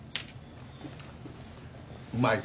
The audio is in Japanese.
うまいか？